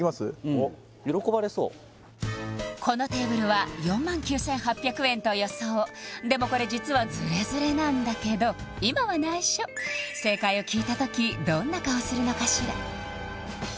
うん喜ばれそうこのテーブルは４万９８００円と予想でもこれ実はズレズレなんだけど今は内緒正解を聞いた時どんな顔をするのかしら？